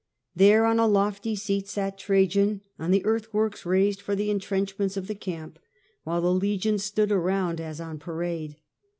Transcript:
Parthai^ There on a lofty seat sat Trajan on the earth t^thecamp works raised for the entrenchments of the to do camp, while the legions stood around as on parade.